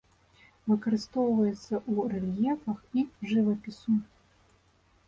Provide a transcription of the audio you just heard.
Выкарыстоўваецца ў рэльефах і жывапісу.